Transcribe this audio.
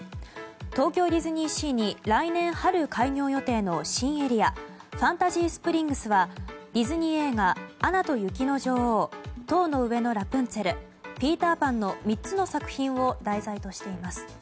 東京ディズニーシーに来年春開業予定の新エリアファンタジースプリングスはディズニー映画「アナと雪の女王」「塔の上のラプンツェル」「ピーター・パン」の３つの作品を題材としています。